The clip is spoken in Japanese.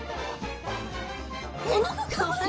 この子かわいい！